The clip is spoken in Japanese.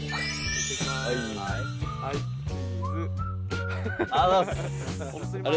あざすありがとうございます。